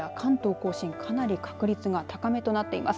甲信は、かなり確率が高めとなっています。